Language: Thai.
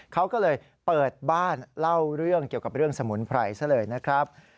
เขาก็เลยเปิดบ้านเล่าเรื่องเกี่ยวกับเรื่องสมุนไพรซะเลยนะครับ